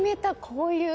こういう。